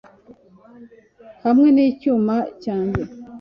hamwe nicyuma cyanjye,